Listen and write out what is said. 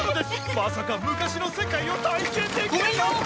まさか昔の世界を体験できるなんて！